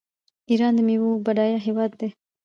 ایران د میوو بډایه هیواد دی.